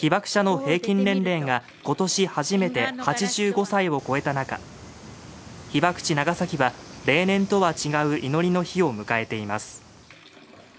被爆者の平均年齢が今年８５歳を超えた中被爆地長崎は例年とは違う祈りの日を迎えています。